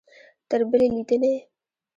تر بلې لیدنې؟